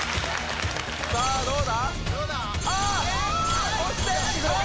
さあどうだ？